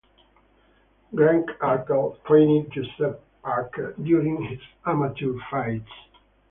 Grant Arkell trained Joseph Parker during his amateur fights.